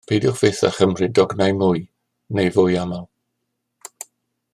Peidiwch fyth â chymryd dognau mwy neu fwy aml